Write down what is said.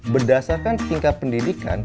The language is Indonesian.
berdasarkan tingkat pendidikan